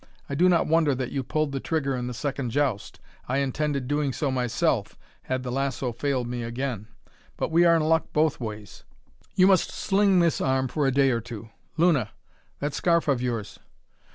I do not wonder that you pulled trigger in the second joust. I intended doing so myself, had the lasso failed me again. But we are in luck both ways. You must sling this arm for a day or two. Luna! that scarf of yours."